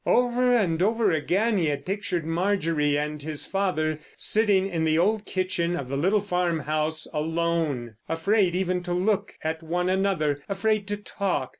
Over and over again he had pictured Marjorie and his father sitting in the old kitchen of the little farmhouse alone, afraid even to look at one another, afraid to talk.